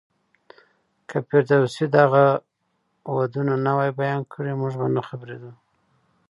که فردوسي دغه ودونه نه وای بيان کړي، موږ به نه خبرېدو.